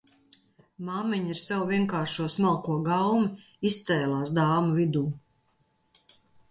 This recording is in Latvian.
Māmiņa ar savu vienkāršo smalko gaumi izcēlās dāmu vidū.